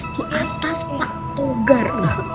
di atas patugar